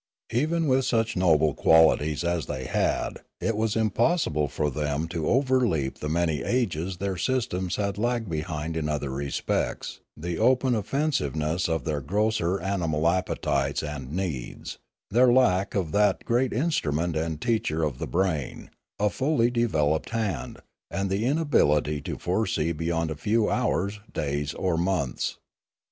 Even with such noble qualities as they had it was im possible for them to overleap the many ages their sys tems had lagged behind in other respects, the open offensiveness of their grosser animal appetites and needs, their lack of that great instrument and teacher of the brain, a fully developed hand, and the inability to foresee beyond a few hours, days, or months.